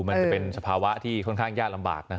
มันจะเป็นสภาวะที่ค่อนข้างยากลำบากนะ